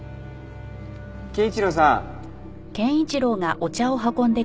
健一郎さん。